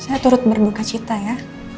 saya turut berduka cita ya